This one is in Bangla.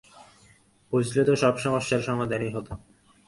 বুঝলে তো সব সমস্যার সমাধানই হত।